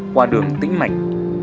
qua đường tính mạnh